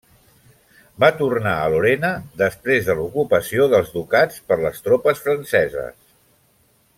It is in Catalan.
Va tornar a Lorena després de l'ocupació dels ducats per les tropes franceses.